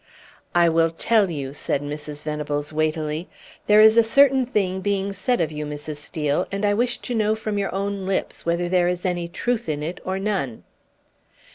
"I will tell you," said Mrs. Venables, weightily. "There is a certain thing being said of you, Mrs. Steel; and I wish to know from your own lips whether there is any truth in it or none."